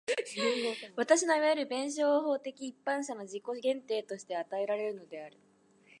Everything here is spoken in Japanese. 私のいわゆる弁証法的一般者の自己限定として与えられるのである。